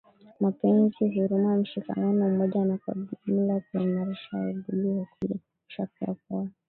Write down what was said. mapenzi huruma mshikamano umoja na kwa ujumla kuimarisha udugu wa kweli Kuhakikisha pia kuwa